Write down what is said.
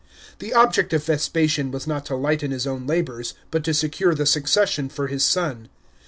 The object of Vespasian was not to lighten his own labours, but to secur e the succession for his son.